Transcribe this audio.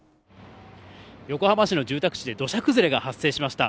横浜市の住宅地で土砂崩れが発生しました。